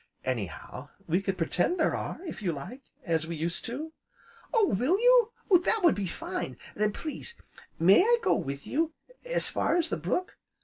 Anyhow, we can pretend there are, if you like, as we used to " "Oh will you? that would be fine! Then, please, may I go with you as far as the brook?